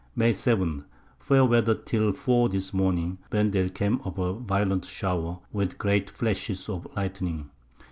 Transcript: May 7. Fair Weather till 4 this Morning, when there came up a violent Shower, with great Flashes of Lightning.